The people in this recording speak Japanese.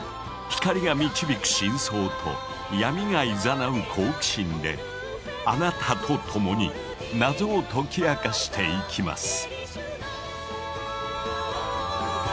光が導く真相と闇がいざなう好奇心であなたと共に謎を解き明かしていきます。